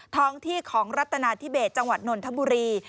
ท้องที่ของรัฐนาธิเบสจังหวัดนนทบุรี